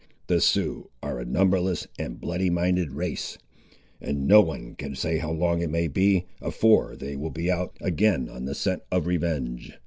"The Siouxes are a numberless and bloody minded race, and no one can say how long it may be, afore they will be out again on the scent of revenge.